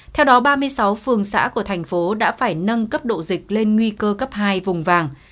theo đó ba mươi sáu phường xã của thành phố đã phải nâng cấp độ dịch lên nguy cơ cấp hai vùng vàng